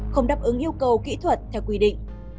không đáp ứng yêu cầu kỹ thuật theo quy định